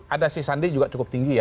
ada si sandi juga cukup tinggi ya